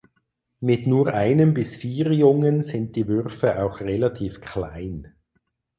Mit nur einem bis vier Jungen sind die Würfe auch relativ klein.